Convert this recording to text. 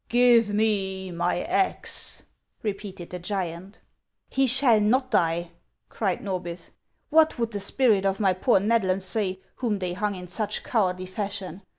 " Give me my axe," repeated the giant. " He shall not die !" cried Xorbith. " What would the spirit of my poor Xedlam say, whom they hung in such cowardly fashion